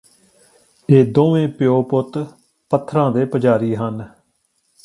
ਇਹ ਦੋਵੇਂ ਪਿਓ ਪੁੱਤ ਪੱਥਰਾਂ ਦੇ ਪੁਜਾਰੀ ਹਨ